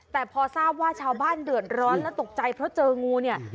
แต่พอทราบว่าชาวบ้านเดือดร้อนและตกใจเพราะเจองูเนี่ย